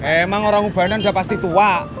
emang orang hubanan udah pasti tua